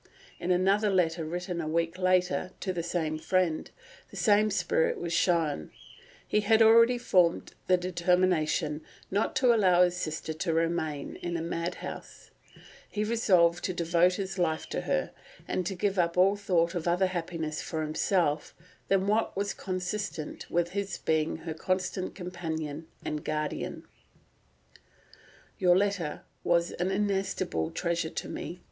In another letter written a week later to the same friend, the same spirit is shown; he had already formed the determination not to allow his sister to remain in a madhouse; he resolved to devote his life to her, and to give up all thought of other happiness for himself than what was consistent with his being her constant companion and guardian—"Your letter was an inestimable treasure to me.